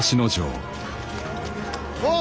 おう！